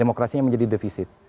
demokrasinya menjadi defisit